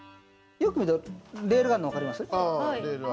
よく見るとレールがあるのわかります？